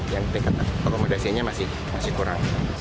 yang tingkat akomodasinya masih kurang